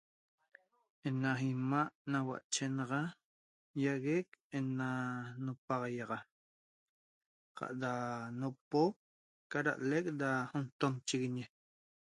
Ena imaa nahuache naga yague ena napahiaxa iagueq ca da nopo caraleq da natomchiguiñe